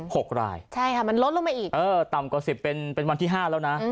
หกรายใช่ค่ะมันลดลงมาอีกเออต่ำกว่าสิบเป็นเป็นวันที่ห้าแล้วนะ